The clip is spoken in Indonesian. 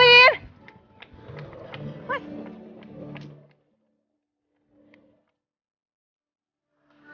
mas tungguin apa sih mas